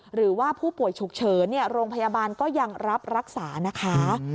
หรือว่าผู้ป่วยฉุกเฉินโรงพยาบาลก็ยังรับรักษานะคะ